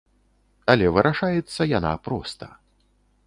Але вырашаецца яна проста.